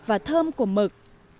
và thơm của mực